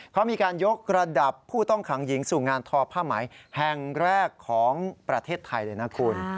เขามีการยกระดับผู้ต้องขังหญิงสู่งานทอผ้าไหมแห่งแรกของประเทศไทยเลยนะคุณ